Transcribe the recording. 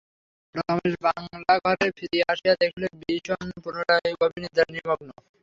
রমেশ বাংলাঘরে ফিরিয়া আসিয়া দেখিল, বিষন পুনরায় গভীর নিদ্রায় নিমগ্ন।